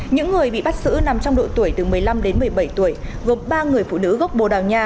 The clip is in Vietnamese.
những người bị bắt giữ nằm trong độ tuổi từ một mươi năm đến một mươi bảy tuổi gồm ba người phụ nữ gốc bồ đào nha